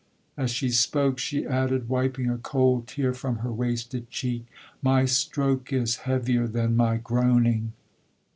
'—As she spoke, she added, wiping a cold tear from her wasted cheek, 'My stroke is heavier than my groaning!'